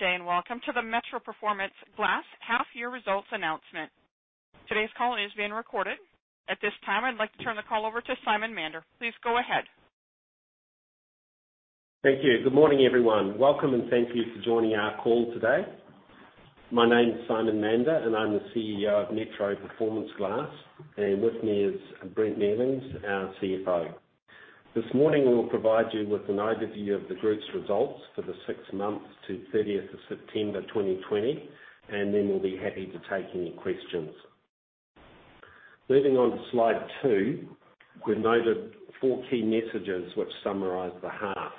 Good day, welcome to the Metro Performance Glass half-year results announcement. Today's call is being recorded. At this time, I'd like to turn the call over to Simon Mander. Please go ahead. Thank you. Good morning, everyone. Welcome, and thank you for joining our call today. My name's Simon Mander, and I'm the CEO of Metro Performance Glass. With me is Brent Mealings, our CFO. This morning, we'll provide you with an overview of the group's results for the six months to 30th of September 2020, and then we'll be happy to take any questions. Moving on to slide two, we've noted four key messages which summarize the half.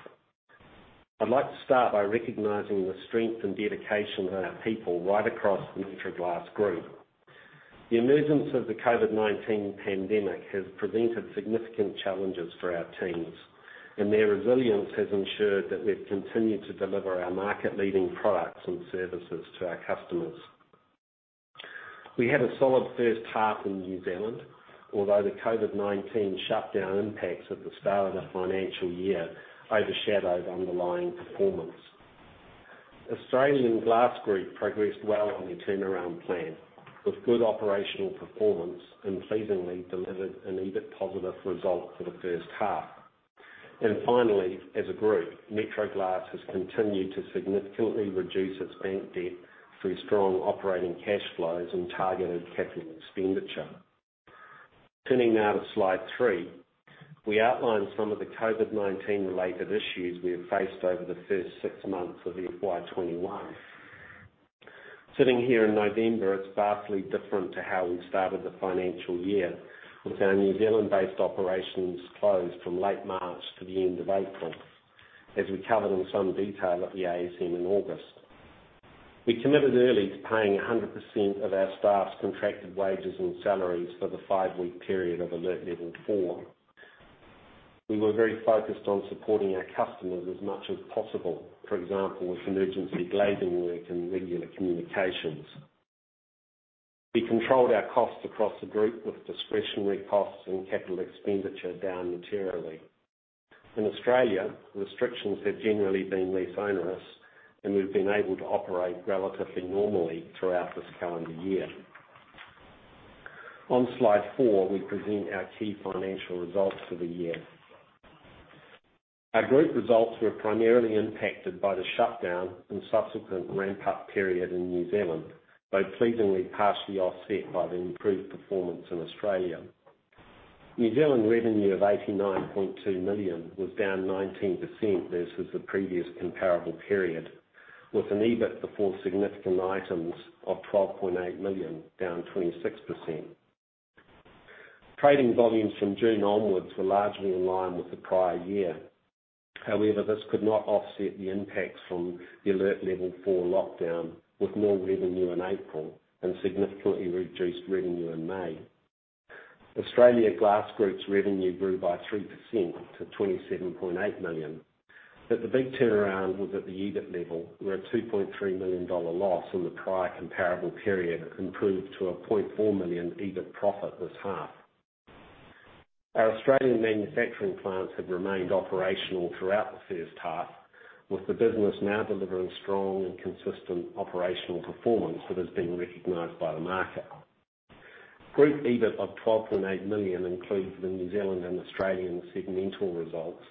I'd like to start by recognizing the strength and dedication of our people right across the Metro Glass Group. The emergence of the COVID-19 pandemic has presented significant challenges for our teams, and their resilience has ensured that we've continued to deliver our market-leading products and services to our customers. We had a solid first half in New Zealand, although the COVID-19 shutdown impacts at the start of the financial year overshadowed underlying performance. Australian Glass Group progressed well on the turnaround plan, with good operational performance and pleasingly delivered an EBIT positive result for the first half. Finally, as a group, Metro Glass has continued to significantly reduce its bank debt through strong operating cash flows and targeted capital expenditure. Turning now to slide three, we outlined some of the COVID-19 related issues we have faced over the first six months of FY 2021. Sitting here in November, it's vastly different to how we started the financial year, with our New Zealand-based operations closed from late March to the end of April, as we covered in some detail at the ASM in August. We committed early to paying 100% of our staff's contracted wages and salaries for the five-week period of alert level four. We were very focused on supporting our customers as much as possible. For example, with emergency glazing work and regular communications. We controlled our costs across the group with discretionary costs and capital expenditure down materially. In Australia, restrictions have generally been less onerous, and we've been able to operate relatively normally throughout this calendar year. On slide four, we present our key financial results for the year. Our group results were primarily impacted by the shutdown and subsequent ramped-up period in New Zealand, both pleasingly partially offset by the improved performance in Australia. New Zealand revenue of 89.2 million was down 19% versus the previous comparable period, with an EBIT before significant items of 12.8 million down 26%. Trading volumes from June onwards were largely in line with the prior year. This could not offset the impacts from the alert level four lockdown, with no revenue in April and significantly reduced revenue in May. Australian Glass Group's revenue grew by 3% to 27.8 million. The big turnaround was at the EBIT level, where a 2.3 million dollar loss in the prior comparable period improved to a 0.4 million EBIT profit this half. Our Australian manufacturing plants have remained operational throughout the first half, with the business now delivering strong and consistent operational performance that has been recognized by the market. Group EBIT of 12.8 million includes the New Zealand and Australian segmental results,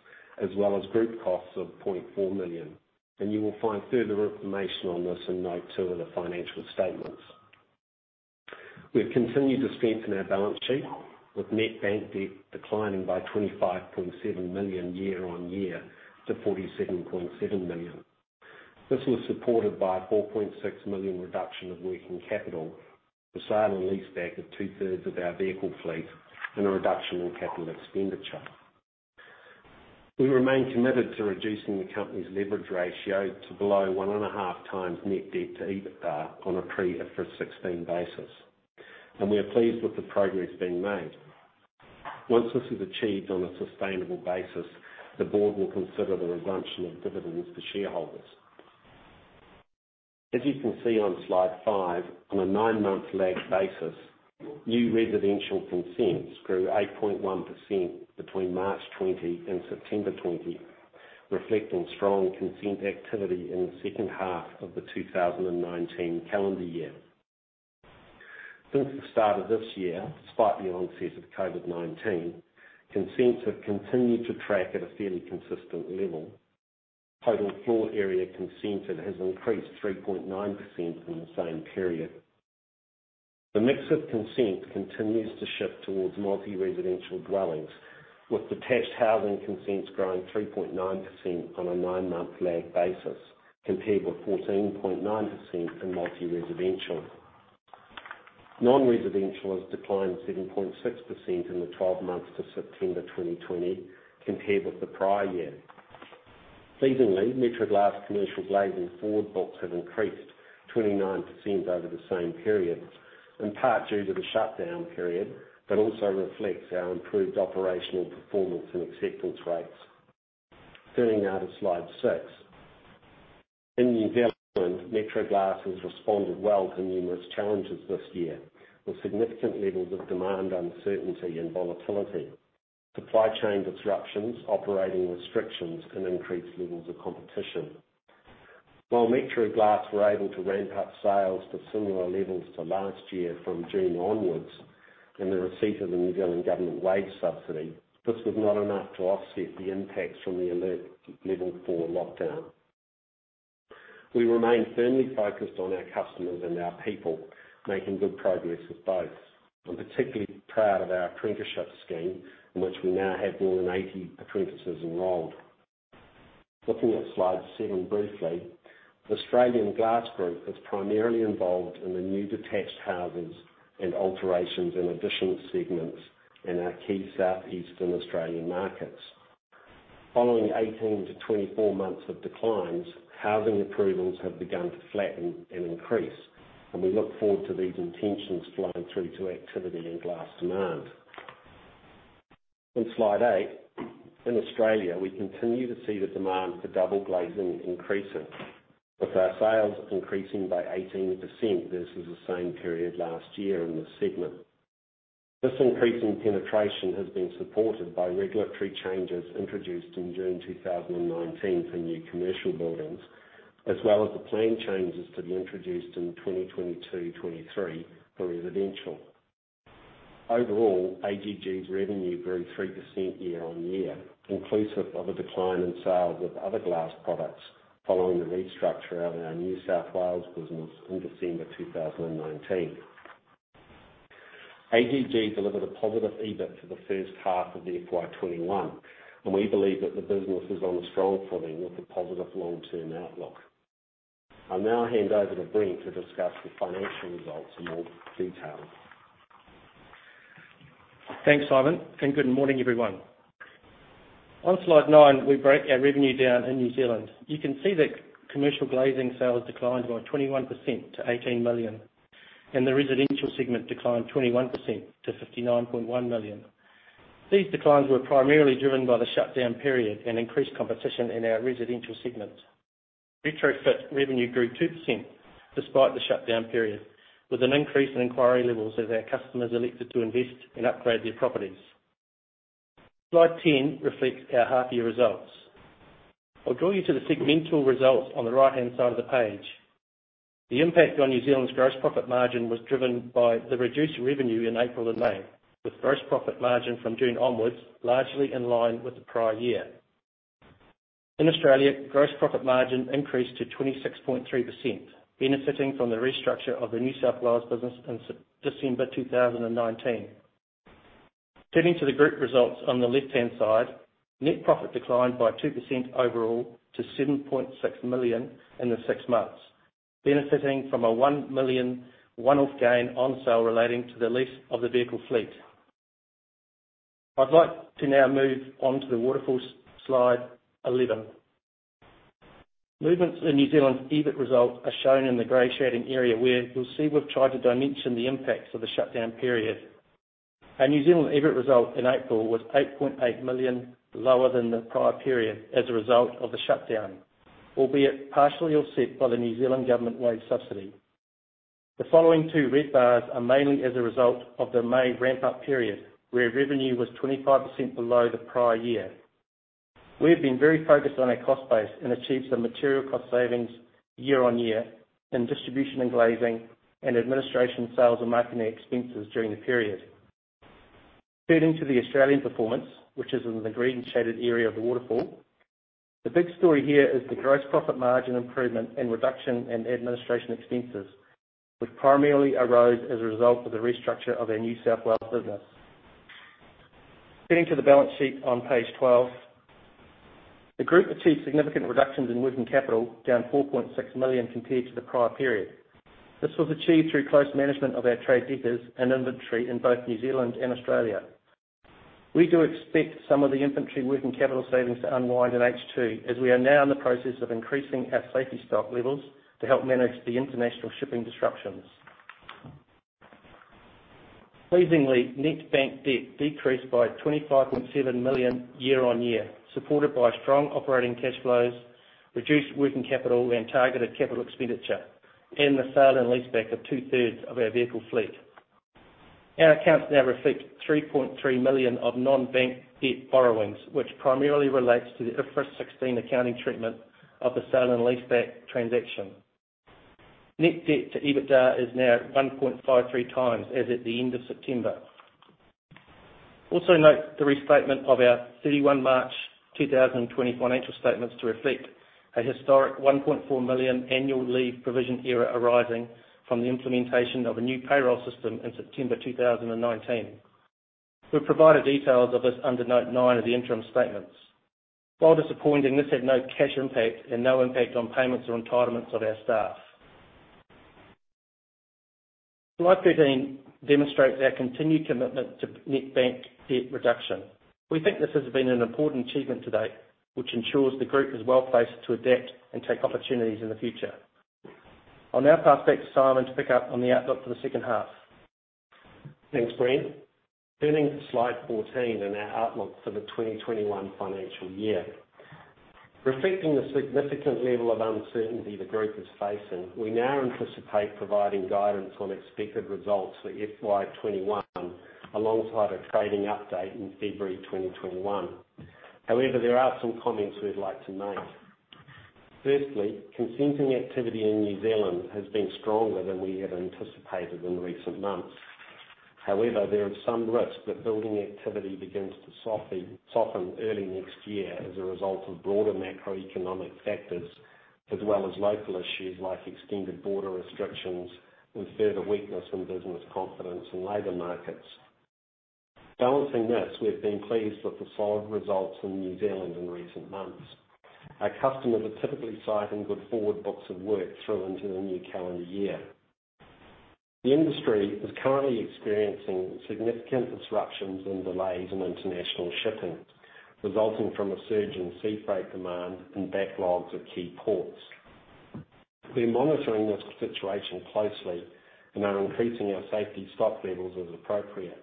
as well as group costs of 0.4 million. You will find further information on this in note two of the financial statements. We have continued to strengthen our balance sheet, with net bank debt declining by 25.7 million year-on-year to 47.7 million. This was supported by a 4.6 million reduction of working capital, the sale and leaseback of two-thirds of our vehicle fleet, and a reduction in capital expenditure. We remain committed to reducing the company's leverage ratio to below one and a half times net debt to EBITDA on a pre-IFRS 16 basis. We are pleased with the progress being made. Once this is achieved on a sustainable basis, the board will consider the resumption of dividends to shareholders. As you can see on slide five, on a nine-month lag basis, new residential consents grew 8.1% between March 2020 and September 2020, reflecting strong consent activity in the second half of the 2019 calendar year. Since the start of this year, despite the onset of COVID-19, consents have continued to track at a fairly consistent level. Total floor area consented has increased 3.9% in the same period. The mix of consent continues to shift towards multi-residential dwellings, with detached housing consents growing 3.9% on a nine-month lag basis, compared with 14.9% in multi-residential. Non-residential has declined 7.6% in the 12 months to September 2020 compared with the prior year. Pleasingly, Metro Glass commercial glazing forward books have increased 29% over the same period, in part due to the shutdown period, but also reflects our improved operational performance and acceptance rates. Turning now to slide six. In New Zealand, Metro Glass has responded well to numerous challenges this year with significant levels of demand uncertainty and volatility, supply chain disruptions, operating restrictions, and increased levels of competition. While Metro Glass were able to ramp up sales to similar levels to last year from June onwards and the receipt of the New Zealand Government wage subsidy, this was not enough to offset the impacts from the alert level four lockdown. We remain firmly focused on our customers and our people, making good progress with both. I'm particularly proud of our apprenticeship scheme, in which we now have more than 80 apprentices enrolled. Looking at slide seven briefly, the Australian Glass Group is primarily involved in the new detached houses and alterations and additional segments in our key southeastern Australian markets. Following 18-24 months of declines, housing approvals have begun to flatten and increase, and we look forward to these intentions flowing through to activity and glass demand. On slide eight, in Australia, we continue to see the demand for double glazing increasing, with our sales increasing by 18% versus the same period last year in this segment. This increase in penetration has been supported by regulatory changes introduced in June 2019 for new commercial buildings, as well as the planned changes to be introduced in 2022/23 for residential. Overall, AGG's revenue grew 3% year-on-year, inclusive of a decline in sales of other glass products following the restructure of our New South Wales business in December 2019. AGG delivered a positive EBIT for the first half of the FY21, and we believe that the business is on a strong footing with a positive long-term outlook. I'll now hand over to Brent to discuss the financial results in more detail. Thanks, Simon. Good morning, everyone. On slide nine, we break our revenue down in New Zealand. You can see that commercial glazing sales declined by 21% to 18 million, and the residential segment declined 21% to 59.1 million. These declines were primarily driven by the shutdown period and increased competition in our residential segments. Retrofit revenue grew 2% despite the shutdown period, with an increase in inquiry levels as our customers elected to invest and upgrade their properties. Slide 10 reflects our half-year results. I'll draw you to the segmental results on the right-hand side of the page. The impact on New Zealand's gross profit margin was driven by the reduced revenue in April and May, with gross profit margin from June onwards largely in line with the prior year. In Australia, gross profit margin increased to 26.3%, benefiting from the restructure of the New South Wales business in December 2019. Turning to the group results on the left-hand side, net profit declined by 2% overall to 7.6 million in the six months, benefiting from a 1 million one-off gain on sale relating to the lease of the vehicle fleet. I'd like to now move on to the waterfall slide 11. Movements in New Zealand's EBIT results are shown in the gray-shading area, where you'll see we've tried to dimension the impacts of the shutdown period. Our New Zealand EBIT result in April was 8.8 million lower than the prior period as a result of the shutdown, albeit partially offset by the New Zealand Government wage subsidy. The following two red bars are mainly as a result of the May ramp-up period, where revenue was 25% below the prior year. We've been very focused on our cost base and achieved some material cost savings year on year in distribution and glazing and administration, sales, and marketing expenses during the period. Turning to the Australian performance, which is in the green shaded area of the waterfall. The big story here is the gross profit margin improvement and reduction in administration expenses, which primarily arose as a result of the restructure of our New South Wales business. Turning to the balance sheet on page 12. The group achieved significant reductions in working capital, down 4.6 million compared to the prior period. This was achieved through close management of our trade debtors and inventory in both New Zealand and Australia. We do expect some of the inventory working capital savings to unwind in H2, as we are now in the process of increasing our safety stock levels to help manage the international shipping disruptions. Pleasingly, net bank debt decreased by 25.7 million year-on-year, supported by strong operating cash flows, reduced working capital and targeted capital expenditure, and the sale and leaseback of two-thirds of our vehicle fleet. Our accounts now reflect 3.3 million of non-bank debt borrowings, which primarily relates to the IFRS 16 accounting treatment of the sale and leaseback transaction. Net debt to EBITDA is now 1.53 times, as at the end of September. Also note the restatement of our 31 March 2020 financial statements to reflect a historic 1.4 million annual leave provision error arising from the implementation of a new payroll system in September 2019. We've provided details of this under Note nine of the interim statements. While disappointing, this had no cash impact and no impact on payments or entitlements of our staff. Slide 13 demonstrates our continued commitment to net bank debt reduction. We think this has been an important achievement to date, which ensures the Group is well-placed to adapt and take opportunities in the future. I'll now pass back to Simon to pick up on the outlook for the second half. Thanks, Brent. Turning to slide 14 and our outlook for the 2021 financial year. Reflecting the significant level of uncertainty the group is facing, we now anticipate providing guidance on expected results for FY21 alongside a trading update in February 2021. There are some comments we'd like to make. Firstly, consenting activity in New Zealand has been stronger than we had anticipated in recent months. There is some risk that building activity begins to soften early next year as a result of broader macroeconomic factors as well as local issues like extended border restrictions and further weakness in business confidence and labor markets. We've been pleased with the solid results in New Zealand in recent months. Our customers are typically citing good forward books of work through into the new calendar year. The industry is currently experiencing significant disruptions and delays in international shipping, resulting from a surge in sea freight demand and backlogs at key ports. We're monitoring this situation closely and are increasing our safety stock levels as appropriate.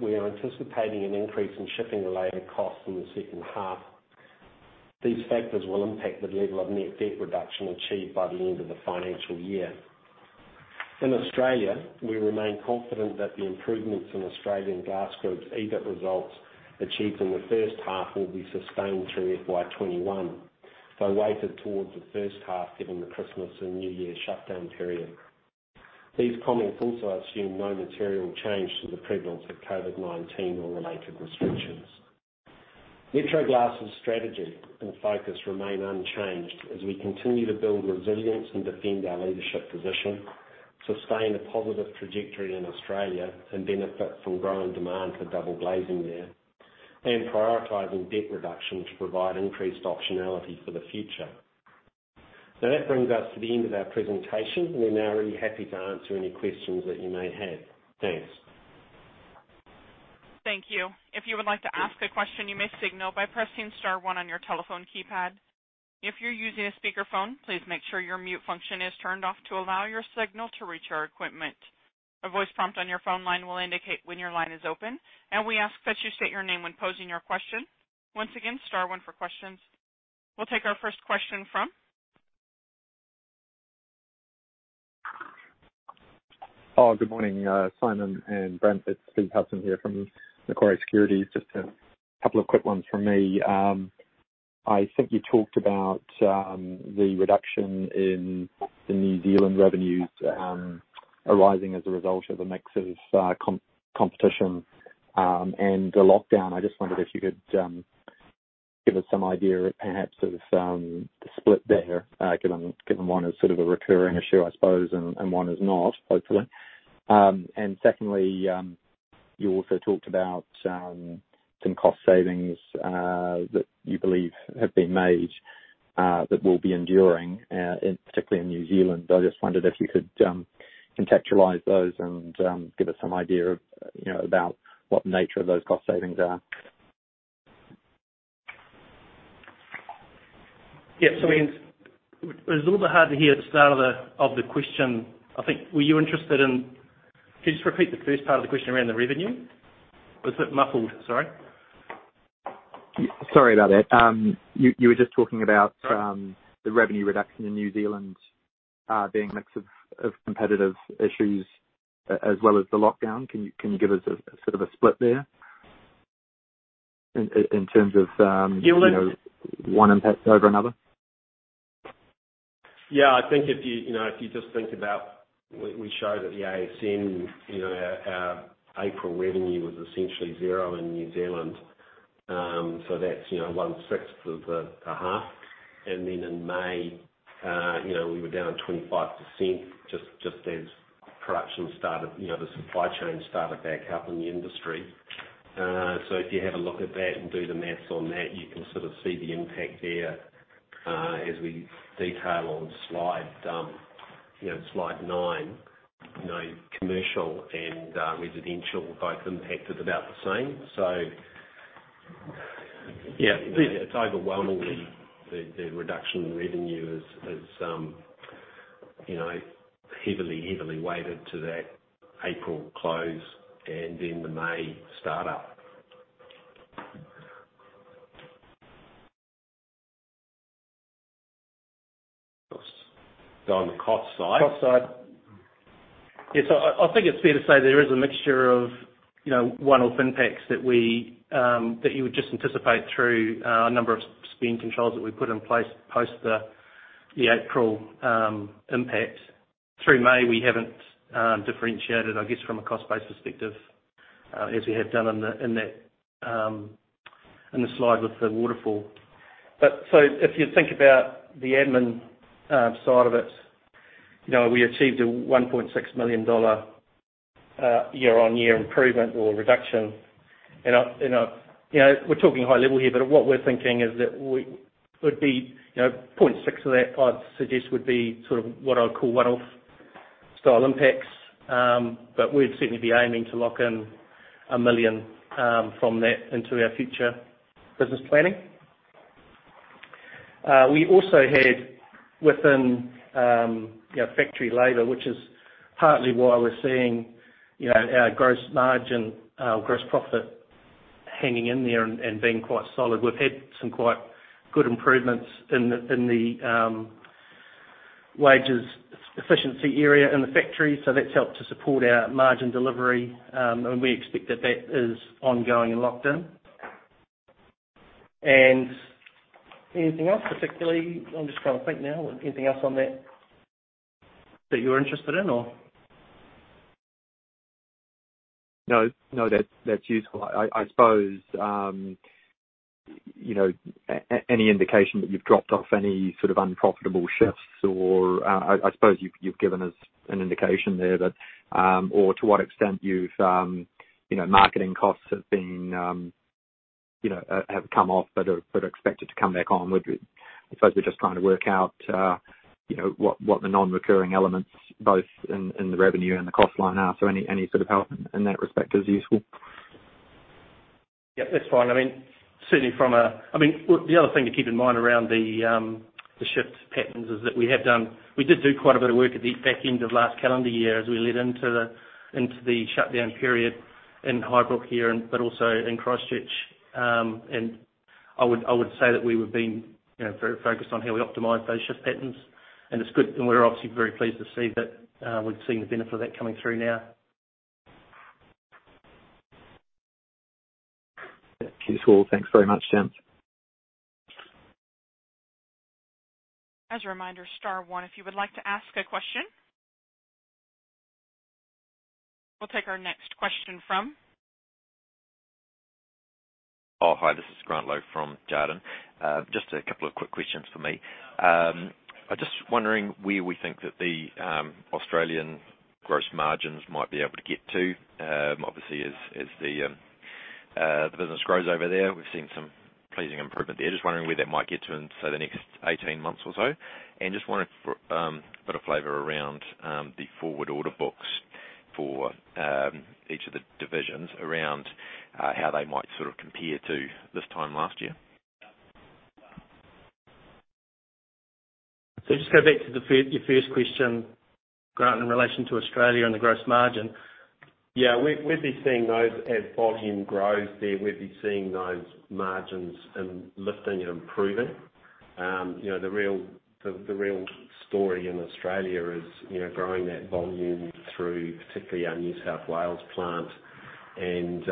We are anticipating an increase in shipping-related costs in the second half. These factors will impact the level of net debt reduction achieved by the end of the financial year. In Australia, we remain confident that the improvements in Australian Glass Group's EBIT results achieved in the first half will be sustained through FY 2021, though weighted towards the first half given the Christmas and New Year shutdown period. These comments also assume no material change to the prevalence of COVID-19 or related restrictions. Metro Glass' strategy and focus remain unchanged as we continue to build resilience and defend our leadership position, sustain a positive trajectory in Australia and benefit from growing demand for double glazing there, and prioritizing debt reduction to provide increased optionality for the future. That brings us to the end of our presentation. We're now really happy to answer any questions that you may have. Thanks. Thank you. If you would like to ask a question, you may signal by pressing star one on your telephone keypad. If you're using a speakerphone, please make sure your mute function is turned off to allow your signal to reach our equipment. A voice prompt on your phone line will indicate when your line is open, and we ask that you state your name when posing your question. Once again, star one for questions. We'll take our first question from? Oh, good morning, Simon and Brent. It's Stephen Hudson here from Macquarie Securities. Just a couple of quick ones from me. I think you talked about the reduction in the New Zealand revenues arising as a result of a mix of competition and the lockdown. I just wondered if you could give us some idea perhaps of the split there, given one is sort of a recurring issue, I suppose, and one is not, hopefully. Secondly, you also talked about some cost savings that you believe have been made that will be enduring, particularly in New Zealand. I just wondered if you could contextualize those and give us some idea about what the nature of those cost savings are. Yeah. It was a little bit hard to hear the start of the question. Can you just repeat the first part of the question around the revenue? It was a bit muffled, sorry. Sorry about that. You were just talking about the revenue reduction in New Zealand being a mix of competitive issues as well as the lockdown. Can you give us a sort of a split there in terms of? Yeah, look- One impact over another? I think if you just We show that the ASN, our April revenue was essentially zero in New Zealand, that's one-sixth of a half. In May, we were down 25%, just as production started, the supply chain started back up in the industry. If you have a look at that and do the math on that, you can see the impact there as we detail on slide nine. Commercial and residential both impacted about the same. It's overwhelmingly the reduction in revenue is heavily weighted to that April close and then the May start-up. Cost. On the cost side. Cost side. Yeah. I think it's fair to say there is a mixture of one-off impacts that you would just anticipate through a number of spend controls that we put in place post the April impact. Through May, we haven't differentiated, I guess, from a cost-based perspective as we have done in the slide with the waterfall. If you think about the admin side of it, we achieved a 1.6 million dollar year-on-year improvement or reduction. We're talking high level here, what we're thinking is that 0.6 of that, I'd suggest, would be what I would call one-off style impacts. We'd certainly be aiming to lock in 1 million from that into our future business planning. We also had within factory labor, which is partly why we're seeing our gross margin, gross profit hanging in there and being quite solid. We've had some quite good improvements in the wages efficiency area in the factory, so that's helped to support our margin delivery. We expect that is ongoing and locked in. Anything else particularly? I'm just trying to think now. Anything else on that that you're interested in or? No. That's useful. I suppose, any indication that you've dropped off any sort of unprofitable shifts or I suppose you've given us an indication there that or to what extent marketing costs have come off, but are expected to come back on. I suppose we're just trying to work out what the non-recurring elements, both in the revenue and the cost line are. Any sort of help in that respect is useful. Yep, that's fine. The other thing to keep in mind around the shift patterns is that we did do quite a bit of work at the back end of last calendar year as we led into the shutdown period in Highbrook here, but also in Christchurch. I would say that we have been very focused on how we optimize those shift patterns and it's good and we're obviously very pleased to see that we've seen the benefit of that coming through now. Yeah. Useful. Thanks very much, Brent. As a reminder, star one if you would like to ask a question. We'll take our next question from Oh, hi. This is Grant Lowe from Jarden. Just a couple of quick questions for me. I am just wondering where we think that the Australian gross margins might be able to get to. Obviously as the business grows over there, we have seen some pleasing improvement there. Just wondering where that might get to in, say, the next 18 months or so? Just wonder for a bit of flavor around the forward order books for each of the divisions around how they might sort of compare to this time last year. Just go back to your first question, Grant Lowe, in relation to Australia and the gross margin. Yeah, we'd be seeing those as volume grows there. We'd be seeing those margins lifting and improving. The real story in Australia is growing that volume through particularly our New South Wales plant and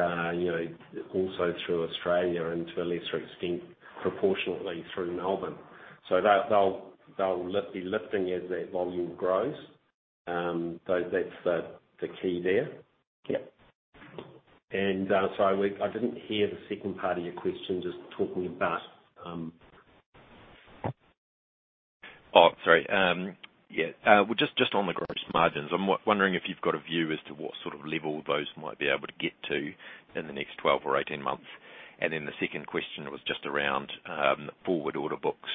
also through Australia and to a lesser extent, proportionately through Melbourne. They'll be lifting as that volume grows. That's the key there. Yep. Sorry, I didn't hear the second part of your question. Oh, sorry. Yeah. Just on the gross margins. I'm wondering if you've got a view as to what sort of level those might be able to get to in the next 12 or 18 months? The second question was just around forward order books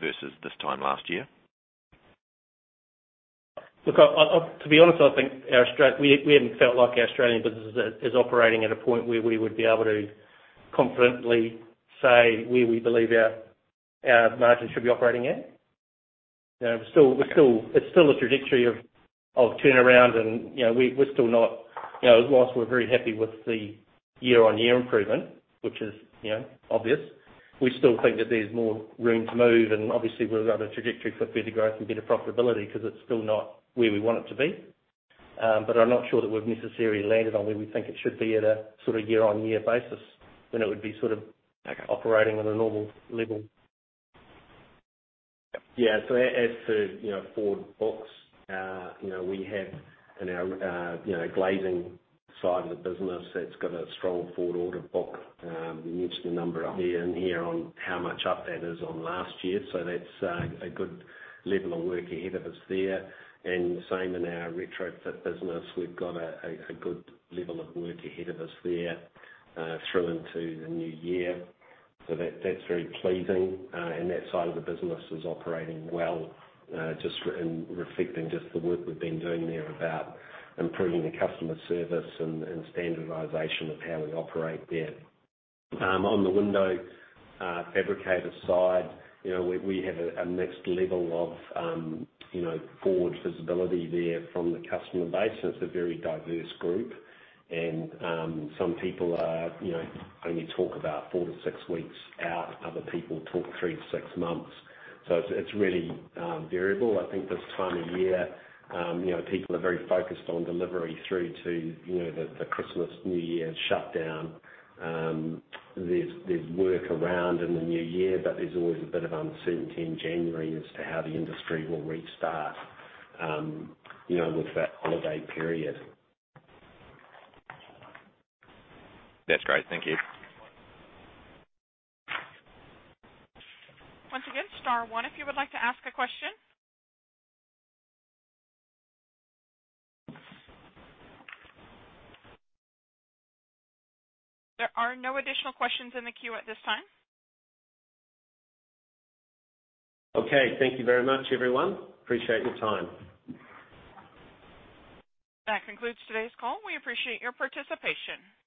versus this time last year? Look, to be honest, I think we haven't felt like our Australian business is operating at a point where we would be able to confidently say where we believe our margins should be operating at. It's still a trajectory of turnaround, and whilst we're very happy with the year-on-year improvement, which is obvious, we still think that there's more room to move and obviously we're on a trajectory for further growth and better profitability because it's still not where we want it to be. But I'm not sure that we've necessarily landed on where we think it should be at a sort of year-on-year basis when it would be sort of operating at a normal level. Okay. As to forward books, we have in our glazing side of the business that's got a strong forward order book. We mentioned a number earlier in here on how much up that is on last year. That's a good level of work ahead of us there. The same in our retrofit business. We've got a good level of work ahead of us there through into the new year. That's very pleasing. That side of the business is operating well just in reflecting the work we've been doing there about improving the customer service and standardization of how we operate there. On the window fabricator side, we have a mixed level of forward visibility there from the customer base, and it's a very diverse group. Some people only talk about four to six weeks out. Other people talk three to six months. It's really variable. I think this time of year people are very focused on delivery through to the Christmas, New Year shutdown. There's work around in the new year, but there's always a bit of uncertainty in January as to how the industry will restart with that holiday period. That's great. Thank you. Once again, star one if you would like to ask a question. There are no additional questions in the queue at this time. Okay. Thank you very much, everyone. Appreciate your time. That concludes today's call. We appreciate your participation.